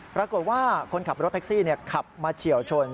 ปรากฏว่าคนขับรถแท็กซี่ขับมาเฉียวชน